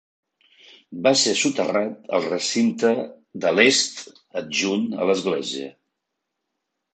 Va ser soterrat al recinte de l'est adjunt a l'església.